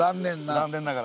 残念ながら。